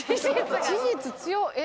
事実強っ！